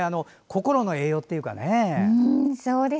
心の栄養というかね。